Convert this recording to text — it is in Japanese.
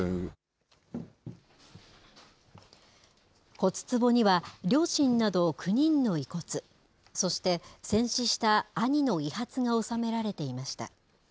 骨つぼには両親など９人の遺骨、そして戦死した兄の遺髪が納められていました。